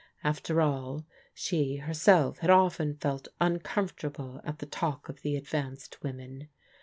After all, she herself had often felt uncomfortable at the talk of the advanced women.